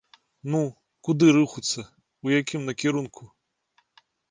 Ну, куды рухацца, у якім накірунку?